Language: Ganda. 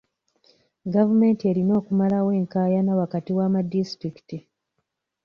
Gavumenti erina okumalawo enkaayana wakati w'amadisitulikiti.